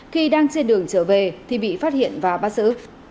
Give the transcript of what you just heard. khi đang trên đường trở về thì bị phát hiện và bắt giữ